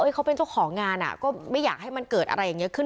เขาเป็นเจ้าของงานก็ไม่อยากให้มันเกิดอะไรอย่างนี้ขึ้น